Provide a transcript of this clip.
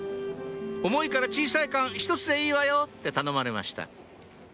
「重いから小さい缶１つでいいわよ」って頼まれました